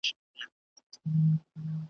نه دوستي نه دښمني وي نه یاري وي نه ګوندي وي .